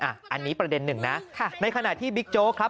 อันนี้ประเด็นหนึ่งนะในขณะที่บิ๊กโจ๊กครับ